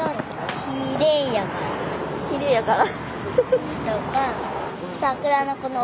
きれいやから？